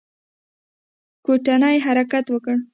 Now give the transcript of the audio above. کوټنۍ حرکت وکړ.